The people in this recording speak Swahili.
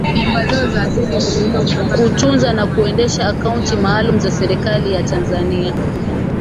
kutunza na kuendesha akaunti maalum za serikali ya tanzania